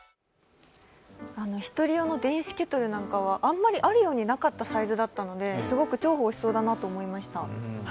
１人用の電子ケトルなんかはあるようでなかったサイズなのですごく重宝しそうだなと思いました。